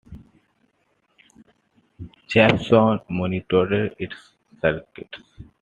Jeppson monitored its circuits.